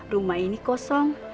rumah ini kosong